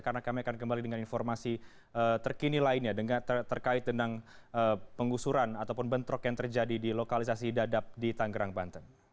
karena kami akan kembali dengan informasi terkini lainnya terkait tentang penggusuran ataupun bentrok yang terjadi di lokalisasi dadap di tanggerang banten